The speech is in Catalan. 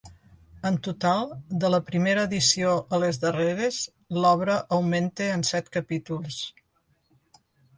En total, de la primera edició a les darreres, l'obra augmenta en set capítols.